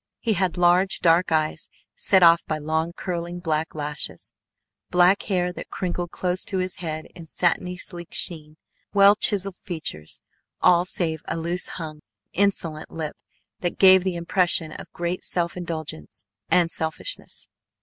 He had large dark eyes set off by long curling black lashes, black hair that crinkled close to his head in satiny sleek sheen, well chiselled features, all save a loose hung, insolent lip that gave the impression of great self indulgence and selfishness.